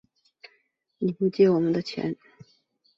你不借我们钱的话